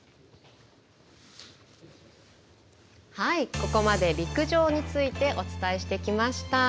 ここまで陸上についてお伝えしてきました。